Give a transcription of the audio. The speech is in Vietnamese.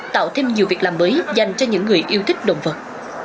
tạo thêm nhiều việc làm mới dành cho những người yêu thích động vật